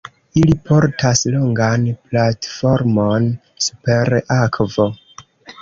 Ili portas longan platformon, super akvo.